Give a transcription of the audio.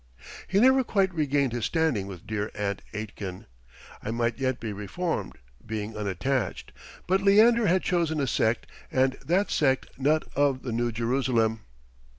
He never quite regained his standing with dear Aunt Aitken. I might yet be reformed, being unattached; but Leander had chosen a sect and that sect not of the New Jerusalem.